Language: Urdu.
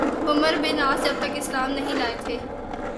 عمرو بن العاص جب تک اسلام نہیں لائے تھے